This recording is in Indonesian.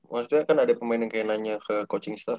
maksudnya kan ada pemain yang kayak nanya ke coaching staff